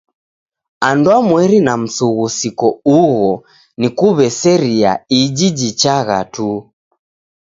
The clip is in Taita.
Anduamweri na msughusiko ugho ni kuw'eseriaiji jichagha tu.